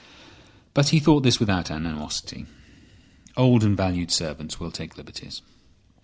But he thought this without animosity. Old and valued servants will take liberties.